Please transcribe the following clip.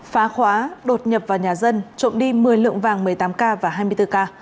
phá khóa đột nhập vào nhà dân trộm đi một mươi lượng vàng một mươi tám k và hai mươi bốn k